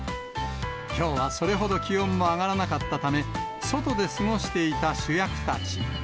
きょうはそれほど気温も上がらなかったため、外で過ごしていた主役たち。